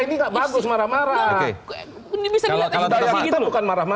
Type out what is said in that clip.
di indonesia ini tidak bagus marah marah